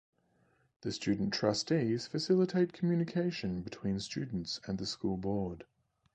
The student trustees facilitate communication between students and the school board.